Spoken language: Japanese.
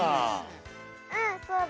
うんそうだよ！